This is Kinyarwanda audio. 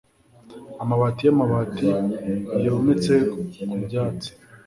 amabati y'amabati yometse ku byatsi